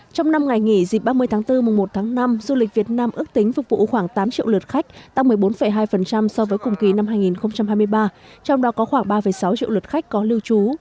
trong năm ngày nghỉ dịp ba mươi tháng bốn mùa một tháng năm du lịch việt nam ước tính phục vụ khoảng tám triệu lượt khách tăng một mươi bốn hai so với cùng kỳ năm hai nghìn hai mươi ba trong đó có khoảng ba sáu triệu lượt khách có lưu trú